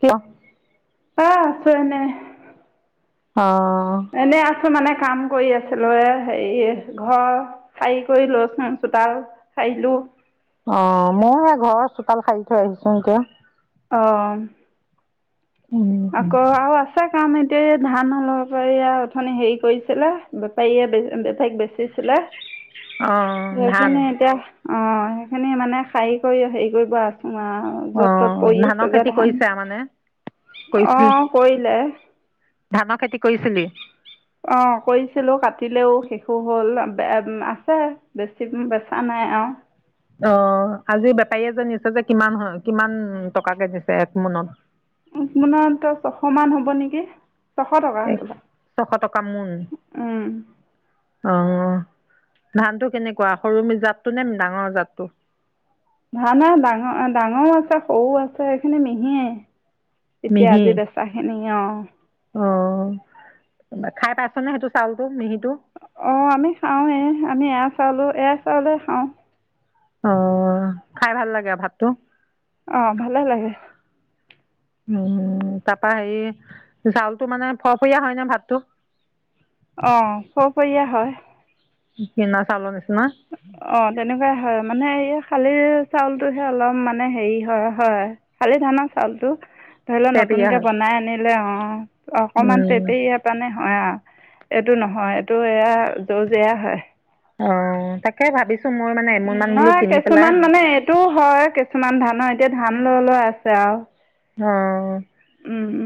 কিয়? আছে এনে। অ'। এনেই আছোঁ মানে, কাম কৰি আছিলোঁ, এ হেৰি ঘৰ সাৰি কৰি লৈছোঁ, চোতাল সাৰিলো। অ' মইও হে ঘৰৰ চোতাল সাৰি থৈ আহিছো এতিয়া। অঁ। উম আকৌ আৰু আ ছে কাম এতিয়া এই ধান অলপ এইয়া অথনি হেৰি কৰিছিলে বেপাৰীয়ে বেছি বেপাৰীক বেচিছিলে অ ধান সেইখিনি এতিয়া অ সেইখিনি মানে সাৰি কৰি হেৰি কৰিব আছো আ অ য'ত ত'ত পৰি ধানৰ আছে যে খেতি ধান। কৰিছা মানে অ কৰিছিল কৰিলে ধানৰ খেতি কৰিছিলি? অ কৰিছিলো কাটিলেও শেষো হ'ল বে আছে বেছিদিম বেচা নাই আৰু অ আজি বেপাৰীয়ে যে নিছে যে কিমান হ'ল কিমান টকাকে দিছে এক মোনত এক মোনত তো ছশ মান হ'ব নেকি ছশ টকা এক হবলা ছশ টকা মোন উম অ ধানটো কেনেকুৱা সৰু মি জাতটো নে ডাঙৰ জাতটো ধানে ডাঙৰ ডাঙৰো আছে সৰু আছে এইখিনি মিহিয়ে এতিয়া মিহি আজি বেচা খিনি অ অ খাই পাইছনে সেইটো চাউলটো মিহিটো অ আমি খাওৱেই আমি এয়া চাউলো এয়া চাউলে খাওঁ। অ খাই ভাল লাগে আৰু ভাতটো অ ভালে লাগে উম তাৰ পৰা হেৰি চাউলটো মানে ফৰফৰীয়া হয় নে ভাতটো অ ফৰফৰীয়া হয় কিনা চাউলৰ নিচিনা অ তেনেকুৱাই হয় মানে এই শালি চাউলটোহে অলপ মানে হেৰি হয় হয় খালি ধানৰ চাউল টো ধৰি লও তেৰপেৰীয়া নতুনকে হয় বনাই আনিলে অ অকমান পেৰপেৰিয়া কাৰনে হয় আ এইটো নহয় এইটো এয়া জৰজৰিয়া হয় অ তাকে ভাবিছো ময় মানে এমোন মান বোলো কিনি পেলাই টোও হয় কিছুমান ধানৰ এতিয়া ধান লৈ লৈ আছে আৰু অ উম উম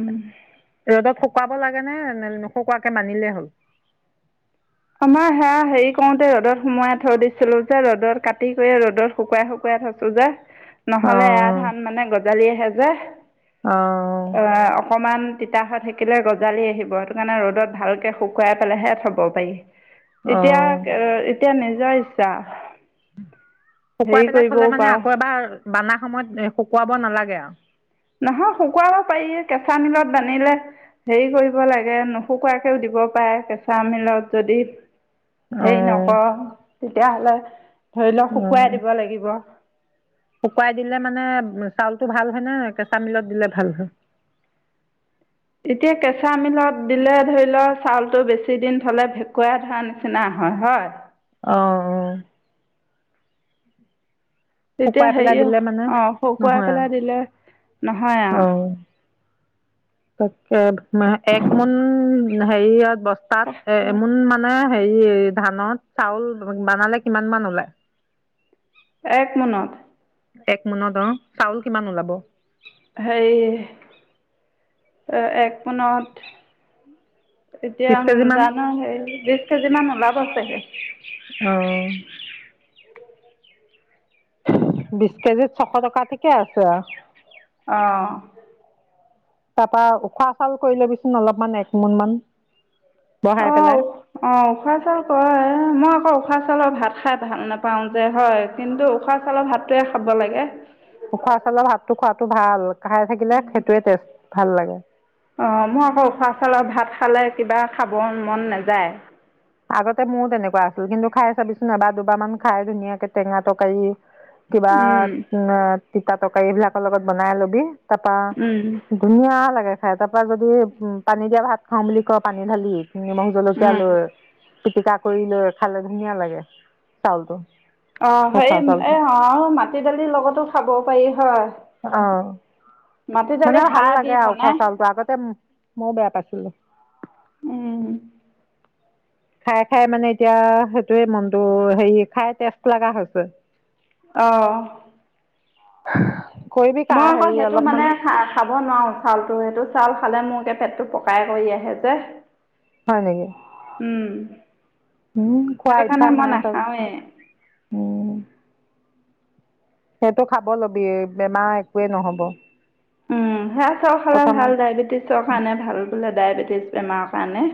ৰ'দত শুকুৱাব লাগে নে নুশুকুৱাকে বানিলেই হ'ল আমাৰ সেয়া হেৰি কৰোতে ৰ'দত সোমোৱাই থৈ দিছিলো যে ৰ'দত কাটি কৰি এ ৰ'দত শুকুৱাই শুকুৱাই থৈছো যে নহ'লে এয়া অঁ ধান মানে গজালি আহে যে অ এয়া অকণমান তিতা হৈ থাকিলে গজালি আহিব সেইটো কাৰণে ৰ'দত ভালকৈ শুকুৱাই পেলাইহে থ'ব পাৰি। এতিয়া অঁ কে এতিয়া নিজৰ ইচ্ছা হেৰি শুকুৱাই পেলাই কৰিবও থলে মানে পাৰ আকৌ এবাৰ বানা সময়ত শুকুৱাব নালাগে আৰু। নহয় শুকোৱাব পাৰি কেঁচা মিলত বানিলে হেৰি কৰিব লাগে নুশুকোৱাকেও দিব পাৰে কেঁচা মিলত যদি হেৰি অঁ নকৰ তেতিয়া হ'লে ধৰি লওক শুকুৱাই অঁ দিব লাগিব শুকুৱাই দিলে মানে উ চাউলটো ভাল হয় নে কেঁচা মিলত দিলে ভাল হয় এতিয়া কেঁচা মিলত দিলে ধৰি লওক চাউলটো বেছিদিন থ'লে ভেকুৱাই ধৰা নিচিনা হয় হয়। অ অ তেতিয়া শুকুৱাই হেৰি পেলাই দিলে মানে অ শুকুৱাই নহয় আৰু। পেলাই দিলে নহয় আ। [inaudible] অ'। তাকে একমন হেৰিঅ বস্তাত এমোন মাম মানে হেৰি ধানত চাউল বানালে কিমান মান ওলায়? এক মোনত এক মোনত অ'। চাউল কিমান ওলাব? হেৰি এক এক মোনত এতিয়া বিশ কেজি মান। জানো হেৰি বিশ কেজিমান ওলাব চাগে। অ' বিশ কেজিত ছশ টকা ঠিকে আ। অ' তাৰপা উখুৱা চাউল কৰি ল'বি চোন। অলপমান এক মোন মান অ বহাই পেলাই। অ' উখুৱা চাউল কৰে। মই আকৌ উখুৱা চাউলৰ ভাত খাই ভাল নাপাওঁ যে হয়। কিন্তু উখুৱা চাউলৰ ভাতটোৱে খাব লাগে। উখুৱা চাউলৰ ভাতটো খোৱাটো ভাল। খাই থাকিলে সেইটোৱে টেষ্ট ভাল লাগে। অ' মই আকৌ উখুৱা চাউলৰ ভাত খালে কিবা খাব মন নাযায়। আগতে মোৰো তেনেকুৱা আছিল। কিন্তু খাই চাবিচোন এবাৰ দুবাৰ মান খাই ধুনীয়াকে টেঙা তৰকাৰী কিবা উম তিতা তৰকাৰী এইবিলাকৰ লগত বনাই ল'বি তাৰপা উম ধুনীয়া লাগে খাই। তাৰপা যদি উম পানী দিয়া ভাত খাওঁ বুলি কওঁ পানী ঢালি নিম জলকীয়া উম লৈ, পিটিকা কৰি লৈ খালে ধুনীয়া লাগে চাউলটো। অ' হেই উখোৱা চাউলটো এই অ' মাটি দালিৰ লগতো খাব পাৰি হয়। অ' মাটি দালি মানে ভাল খাৰ দি লাগে আউ। উখুৱা বনাই চাউলটো আগতে মই বেয়া পাইছিলো। উম এতিয়া খাই খাই মানে এতিয়া সেইটোৱে মনটো হেৰি খাই টেষ্ট লগা হৈছে। অহ কৰিবি কা মই আকৌ হেৰি সেইটো মানে অলপমান। খাব নোৱাৰো চাউলটো, সেইটো চাউল খালে মোৰএতিয়া পেটটো পকাই কৰি আহে যে। হয় নেকি। উম উম খোৱা সেইটো কাৰণে অভ্যাস মই নাই চাগে। নাখাওৱে উম সেইটো খাব ল'বি বেমাৰ একোৱে নহ'ব। উম সেয়া চাউল খালে প্ৰথমে ভাল ডায়েবেটিছৰ কাৰণে ভাল বোলে, ডায়েবেটিছ বেমাৰৰ কাৰণে।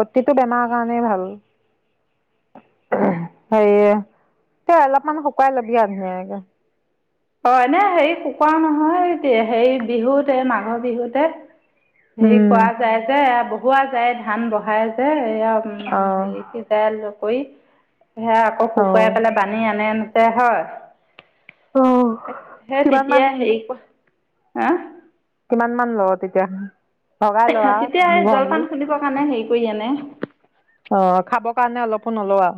প্ৰতিতো বেমাৰৰ কাৰণেই ভাল। হেৰি তে অলপমান শুকুৱাই ল'বি আৰু ধুনীয়াকে। এনে হেৰি শুকোৱাও নহয়, এ হেৰিতে বিহুতে মাঘৰ বিহুতে হেৰি উম কৰা যায় যে এয়া বহোৱা যায় ধান বহাই যে এইয়া অ' [unintelligible] কৰি সেয়া আকৌ অ শুকুৱাই পেলাই বানি আনেতে হয়। অ সেই কিমান তেতিয়া মান হেৰি [unintelligible] কিমান মান লৱ তেতিয়া ভগাই ল তেতিয়া আৰু হেৰি ঘৰ মেলি জলপান খুন্দিব কাৰণে হেৰি কৰি আনে। অ' খাবৰ কাৰণে অলপো নলৱ আ।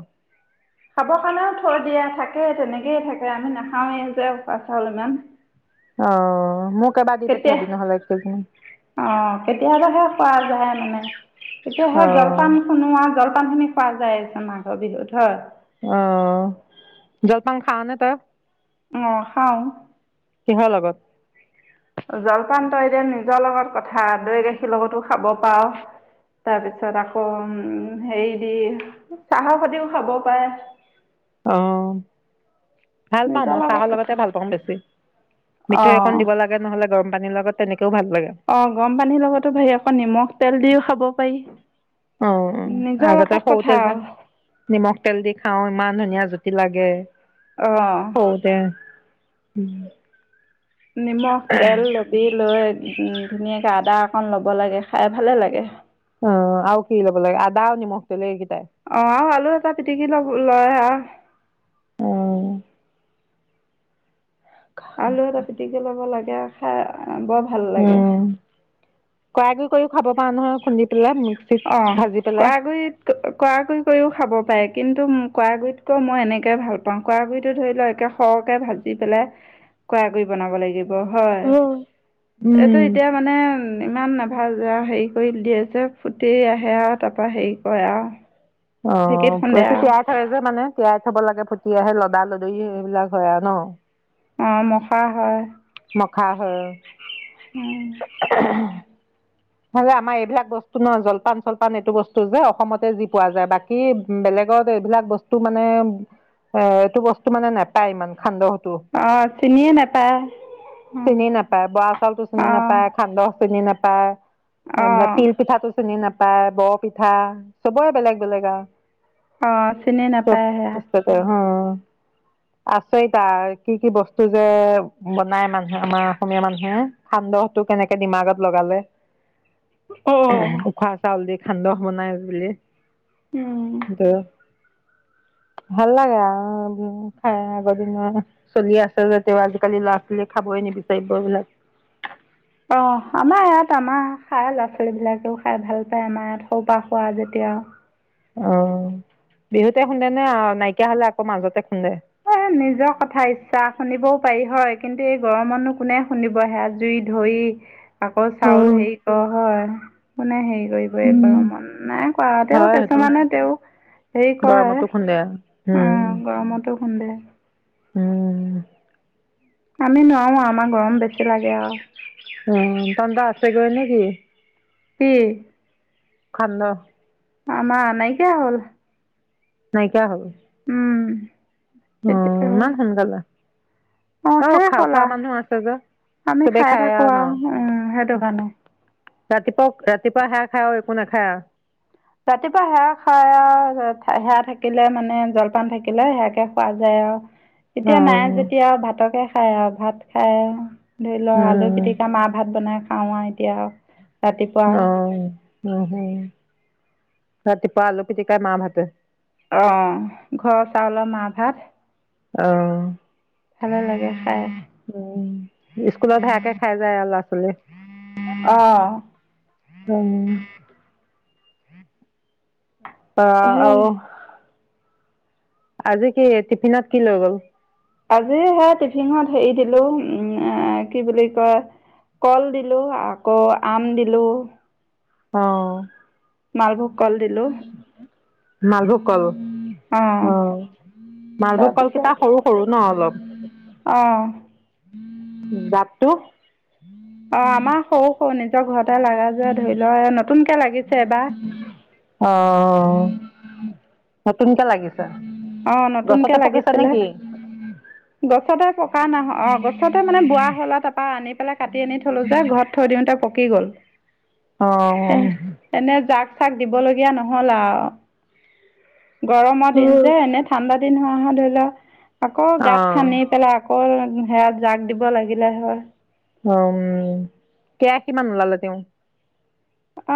খাবৰ কাৰনেও থৈ দিয়া থাকে, তেনেকেই থাকে, আমি নাখাওঁৱেই যে উখুৱা চাউল ইমান অ' মোক এইবাৰ দি পঠিয়াবি নহ'লে এক কেজি মান অ' কেতিয়াবাহে খোৱা যায় মানে। অ তেতিয়াহে জলপান খুন্দু আ। জলপানখিনি খোৱা যায় মাঘৰ বিহুত হয়। অ' জলপান খাৱ নে তই? অ খাঁও। কিহৰ লগত? জলপান তই এতিয়া নিজৰ লগত কথা, দৈ গাখীৰ লগতো খাব পাৰ। তাৰপিছত আকৌ উম হেৰি দি চাহৰ সতিও খাব পাৰে। অঁ। ভাল পাওঁ নিজৰ মই লগত চাহৰ লগতে কথা ভাল পাওঁ বেছি। মিঠৈ অঁ অকন দিব লাগ গে, নহলে গৰম পানীৰ লগত তেনেকেও ভাল লাগে। অ গৰম পানীৰ লগতো ভাই আকৌ নিমখ তেল দিও খাব পাৰি। অঁ অঁ নিজৰ আগতে লগত কথা সৰুতে যে আৰু নিমখ তেল দি খাওঁ ইমান ধুনীয়া জুতি লাগে! অঁ। সৰুতে, উম। নিমখ তেল লবি লৈ উম ধুনীয়াকে আদা অকণ ল'ব লাগে, খায় ভালে লাগে। অ আৰু কি ল'ব লাগে? আদা আৰু নিমখ, তেল এইকেইটাই। অঁ আৰু আলু এটা পিটিকি ল লয় আ। অ আলু এটা পিটিকি লব লাগে খায় বৰ ভাল লাগে উম, কৰাইগুড়ি কৰি খাব পাৰা নহয় খুন্দি পেলাই। অঁহ ভাজি পেলাই কৰাইগুড়িত কৰাইগুড়ি কৰিও খাব পাৰে। কিন্তু, কৰাইগুড়িতকৈ মই এনেকৈ ভাল পাওঁ, কৰাইগুড়িটো ধৰি লওক একে সৰকে ভাজি পেলাই কৰাইগুড়ি বনাব লাগিব হয়। উম এইটো উম। এতিয়া মানে ইমান নাভাজে আও হেৰি কৰি দিয়ে যে ফুটি আহে আও তাৰপৰা হেৰি কৰে আও। অঁ কৈতো তিয়াই যে মানে তিয়াই থব লাগে ফুটি আহে লদা লদৰি এইবিলাক হয় আও ন। অঁ মখা হয়। মখা হয়। উম, এইফালে এইবিলাক বস্তু ন, জলপান-চলপান এইটো বস্তু যে অসমতে যি পোৱা যায়, বাক কী বেলেগত এইবিলাক বস্তু মানে এ এইটো বস্তু মানে নেপায় ইমান সান্দহ অ চিনিয়ে নেপায়। অ', চিনি নেপাই, বৰা চাউলটো চিনি অ', নেপাই, সান্দহ চিনি নেপাই এইবিলাক অ', তিল পিঠাটো চিনি নেপায় বৰ পিঠা চবৰে বেলেগ বেলেগ আও। অঁ চিনি নেপায় সেইয়া। সেইটোৱে হ। আচৰিত আ কি কি বস্তু যে বনাই মানুহে আমাৰ অসমীয়া মানুহে! সান্দহটো কেনেকে দিমাগত লগালে। অ', উখোৱা চাউল দি সান্দহ বনাই বুলি, উম এইটো। ভাল লাগে আও খায় আগৰ দিনৰ চলি আছে যদিও আজিকালি লৰা-ছোৱালী খাবই নিবিচাৰিব এইবিলাক। অহ আমাৰ ইয়াত আমাৰ খায় ল'ৰা ছোৱালী বিলাকেও খায় ভাল পায় আমাৰ ইয়াত সৰু পা খোৱা যেতিয়া। অঁ বিহুতে খুন্দে নে নাইকিয়া হলে আকৌ মাজতে খুন্দে? এই নিজৰ কথা ইচ্ছা খুন্দিবও পাৰি হয়। কিন্তু এই গৰমত নো কোনে খুন্দিব হেয়া? জুই ধৰি, আকৌ চাউল উম হেৰি কৰ হয়, কোনে হেৰি কৰি বই উম। কৰিব মন নাই কৰা। তেও হয় সেইটো কিছুমানে তেওঁ হেৰি কৰে। দিয়া। উম। অঁ গৰমতো খুন্দে। উম আমি নোৱাৰো আমাৰ গৰম বেছি লাগে আউ। অ চন্দ্ৰ আছে গৈ নেকি? উম খন্দ আমাৰ নাইকিয়া হ'ল। নাইকিয়া হ'ল। উম তেতিয়া অ', ইমান সোনকালে। অঁ অ', শেষ খাৰ হ'ল খোৱা আৰু মানুহ আছে যে, আমি চবে খাই থাকো আৰু উম সেইটো ন। কাৰণে ৰাতিপুৱা, ৰাতিপুৱা সেয়া খাই আৰু একো নাখাই আ। ৰাতিপুৱা সেয়া খাই আৰু সেয়া থাকিলে মানে জলপান থাকিলে সেয়াকে খাওঁ যাই আউ। অ এতিয়া নাই যেতিয়া আৰু ভাতকে খাই আৰু ভাত খাই। ধৰি ল আলু উম। পিটিকা, মাৰ ভাত বনাই খাওঁ আৰু এতিয়া। ৰাতিপুৱা অ' ৰাতিপুৱা আলু পিটিকা, মা ভাতে। অ', ঘৰ চাউলৰ মা ভাত। অ' ভালে লাগে খাই। উম, স্কুলত সেয়াকে খাই যায় আৰু ল'ৰা, ছোৱালী। অঁ উম অ' সেই আৰু আজি কি টিফিন'ত কি লৈ গ'ল? আজি হে টিফিন'ত হেৰি দিলো উম এ কি বুলি কয় কল দিলোঁ আকৌ, আম দিলোঁ। অ' মালভোগ কল দিলোঁ। মালভোগ কল অঁ অ, মালভোগ কল তাৰপিছত কেইটা সৰু সৰু ন অলপ। অ' জাতটো। অ, আমাৰ সৰু সৰু নিজৰ ঘৰতে লাগা যে ধৰি ল নতুনকে লাগিছে এবাৰ। অ, নতুনকে লাগি অ, নতুনকে লাগিছিলে। গছতে পকা নহ অ', গছতে মানে বুঢ়া হ'ল তাপা মানে আনি পেলাই কাটি আনি থলো যে, ঘৰত থৈ দিওঁতে পকি গ'ল। অ অ এ এনে জাক চাক দিবলগীয়া নহ'ল আৰু, গৰমৰ দিন। যে এনে ঠাণ্ডা দিন হোৱা হয় ধৰি ল, আকৌ অ গাঁত খান্দি পেলা কল সেয়া জাগ দিব লাগিলে হয়। অউম, কেআশী মান ওলালে তেউ।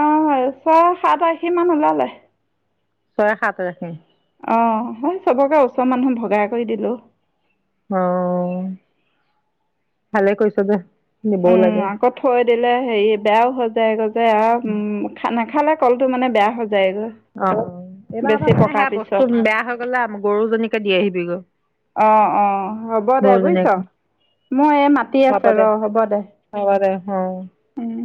অ' ছয়, সাত, আশী মান ওলালে। ছয়, সাত আশী অ', হয় চবকে ওচৰ মানুহ ভগাই কৰি দিলোঁ। অ', ভালে কৰিছ দে, দিবও উম লাগে। আকৌ থৈ দিলে হেৰি বেয়াও হৈ যায়গৈ যে আৰু উম। খা, নাখালে কলটো মানে বেয়া হৈ যায়গৈ। অ এইবাৰ আমাৰ বেছি মানে পকাৰ সেয়া পিছত বস্তু বেয়া হৈ গ'লে আম গৰুজনীকে দি আহিবি গৈ। অঁ অঁ, হ'ব দে বুইছ, গৰুজনীক মই এই মাতি আছে ৰ, হ'ব দে। হ'ব দে হঁ। উম'।